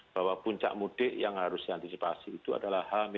bahwa puncak mudik yang harus diantisipasi itu adalah h lima